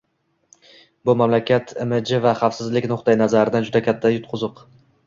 Bu – mamlakat imiji va xavfsizlik nuqtai nazaridan juda katta yutqiziq.